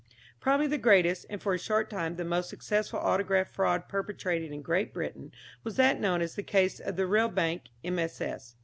Probably the greatest, and for a short time the most successful autograph fraud perpetrated in Great Britain was that known as the case of the Rillbank MSS.